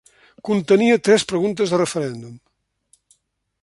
Contenia tres preguntes de referèndum.